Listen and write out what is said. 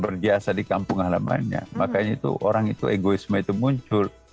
berjasa di kampung halamannya makanya itu orang itu egoisme itu muncul